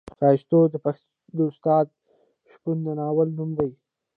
ښایستو د استاد شپون د ناول نوم دی.